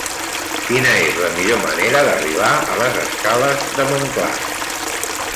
Quina és la millor manera d'arribar a les escales de Montclar?